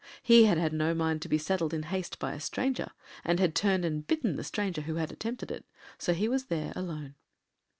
He had had no mind to be saddled in haste by a stranger, and had turned and bitten the stranger who had attempted it. So he was there alone.